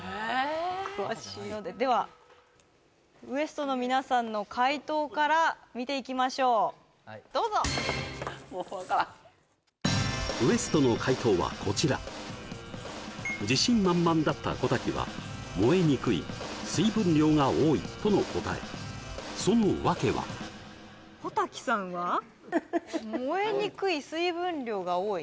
詳しいではＷＥＳＴの皆さんの解答から見ていきましょうどうぞＷＥＳＴの解答はこちら自信満々だった小瀧は「燃えにくい水分量が多い」との答えその訳は？小瀧さんは？「燃えにくい水分量が多い」